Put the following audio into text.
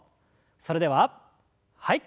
それでははい。